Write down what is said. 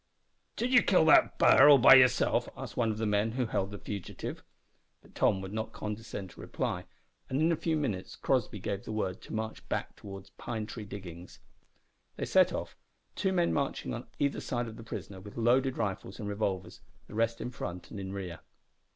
"Did ye kill that bar all by yerself?" asked one of the men who held the fugitive. But Tom would not condescend to reply, and in a few minutes Crossby gave the word to march back towards Pine Tree Diggings. They set off two men marching on either side of the prisoner with loaded rifles and revolvers, the rest in front and in rear.